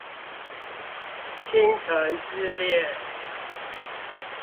傾城之戀